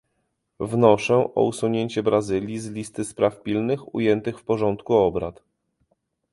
Wnoszę o usunięcie Brazylii z listy spraw pilnych ujętych w porządku obrad